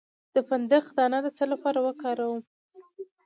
د فندق دانه د څه لپاره وکاروم؟